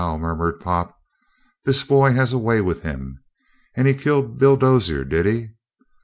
murmured Pop. "This boy has a way with him. And he killed Bill Dozier, did he?